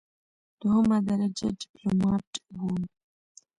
دوهمه درجه ډیپلوماټ وم.